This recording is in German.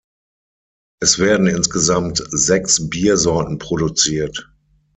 Es werden insgesamt sechs Biersorten produziert.